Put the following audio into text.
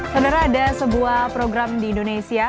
sebenarnya ada sebuah program di indonesia